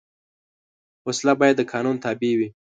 وسله باید د قانون تابع وي